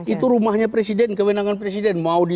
itu rumahnya presiden kewenangan presiden